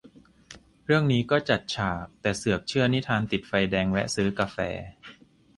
เรื่องนี้ก็จัดฉาก แต่เสือกเชื่อนิทานติดไฟแดงแวะซื้อกาแฟ